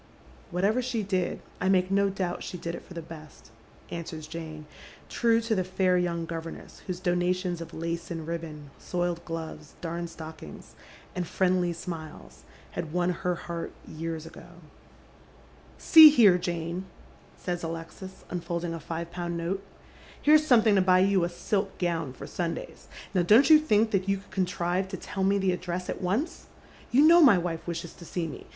" Whatever she did, I make no doubt she did it for the best," answers Jane, true to the fair young governess whose donations of lace and ribbon, soiled gloves, darned stockings, and friendly Bmiles, had won her heart years ago. " 3e« here, Jane," says Alexis, unfolding a five pound nota. " Here's something to buy you a silk gown for Sundays. Now don't you think that you could conti ive to tell me the address at once ? You know my wife wishes to see me.